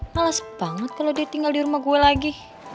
males banget kalo dia tinggal di rumah gue lagi